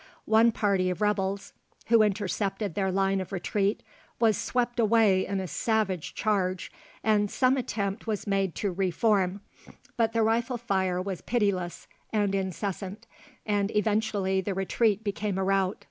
One party of rebels, who intercepted their line of retreat, was swept away in a savage charge, and some attempt was made to reform; but the rifle fire was pitiless and incessant, and eventually the retreat became a rout.